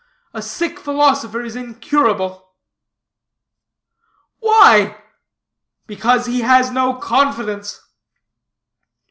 A sick philosopher is incurable?" "Why?" "Because he has no confidence."